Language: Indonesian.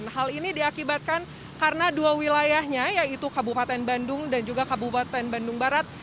hal ini diakibatkan karena dua wilayahnya yaitu kabupaten bandung dan juga kabupaten bandung barat